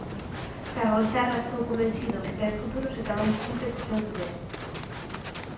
Ferrolterra estou convencido que ten futuro se cada un cumpre co seu deber.